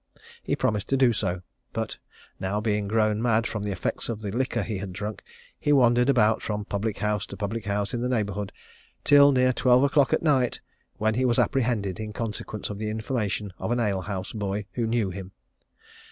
He promised to do so; but now being grown mad from the effects of the liquor he had drunk, he wandered about from public house to public house in the neighbourhood till near twelve o'clock at night, when he was apprehended in consequence of the information of an ale house boy, who knew him.